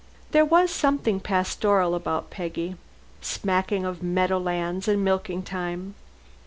There was something pastoral about Peggy, smacking of meadow lands and milking time.